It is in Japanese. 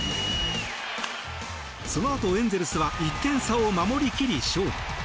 そのあとエンゼルスは１点差を守り切り、勝利。